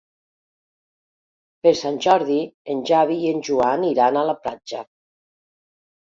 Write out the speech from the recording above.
Per Sant Jordi en Xavi i en Joan iran a la platja.